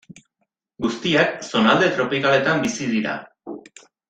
Guztiak zonalde tropikaletan bizi dira.